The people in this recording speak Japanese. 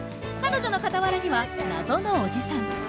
彼女の傍らには謎のおじさん。